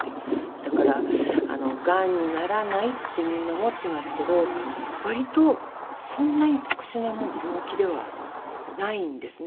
だからがんにならないってみんな思ってますけど割とそんなに特殊な病気ではないんですね。